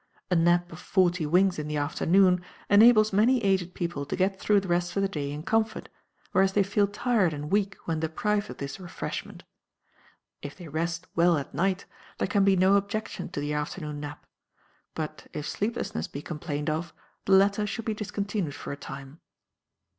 A nap of "forty winks" in the afternoon enables many aged people to get through the rest of the day in comfort, whereas they feel tired and weak when deprived of this refreshment. If they rest well at night there can be no objection to the afternoon nap; but if sleeplessness be complained of, the latter should be discontinued for a time.